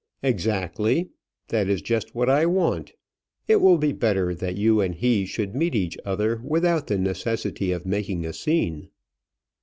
"Exactly. That is just what I want. It will be better that you and he should meet each other, without the necessity of making a scene."